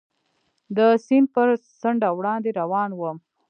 د سیند پر څنډه وړاندې روان ووم.